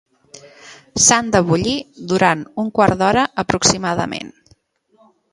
S'han de bullir durant un quart d'hora aproximadament.